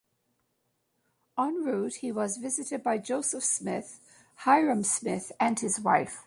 En route he was visited by Joseph Smith, Hyrum Smith, and his wife.